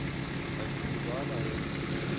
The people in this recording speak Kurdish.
Ev cî vala ye?